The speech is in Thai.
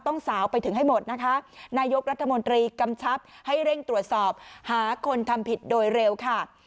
สาวไปถึงให้หมดนะคะนายกรัฐมนตรีกำชับให้เร่งตรวจสอบหาคนทำผิดโดยเร็วค่ะ